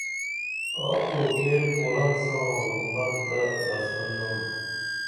آڅو کیر قرآن ساں حکومت تہ بسن نم